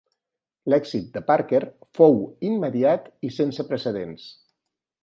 L'èxit de Parker fou immediat i sense precedents.